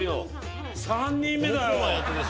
３人目だよ。